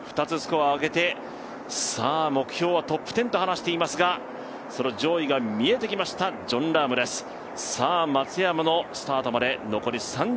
２つスコアを上げて、目標はトップ１０と話していますがその上位が見えてきました、ジョン・ラームです。